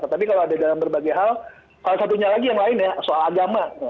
tapi kalau ada dalam berbagai hal salah satunya lagi yang lain ya soal agama